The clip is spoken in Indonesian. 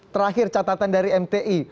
terakhir catatan dari mti